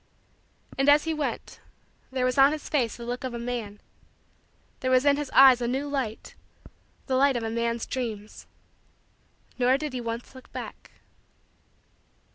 And, as he went, there was on his face the look of a man. There was in his eyes a new light the light of a man's dream. Nor did he once look back.